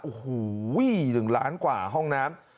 โอ้โห๑ล้านกว่าห้องน้ำ